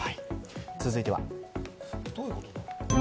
続いては。